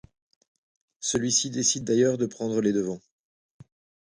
Celui-ci décide d'ailleurs de prendre les devants.